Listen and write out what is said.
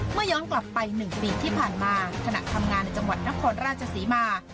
ย้อนกลับไป๑ปีที่ผ่านมาขณะทำงานในจังหวัดนครราชศรีมา